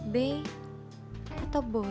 be atau boy